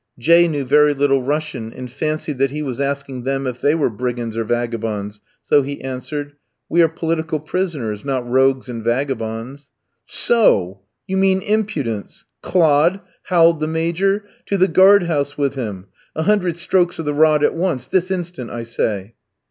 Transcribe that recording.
J ski knew very little Russian, and fancied that he was asking them if they were brigands or vagabonds, so he answered: "We are political prisoners, not rogues and vagabonds." "So o o! You mean impudence! Clod!" howled the Major. "To the guard house with him; a hundred strokes of the rod at once, this instant, I say!"